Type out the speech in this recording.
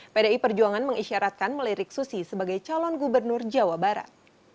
pdi perjuangan mengisyaratkan melirik susi sebagai calon gubernur jawa barat